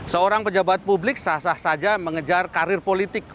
seorang pejabat publik sah sah saja mengejar karir politik